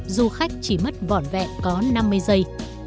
du khách chỉ mất vỏn vẹn có năm mươi giây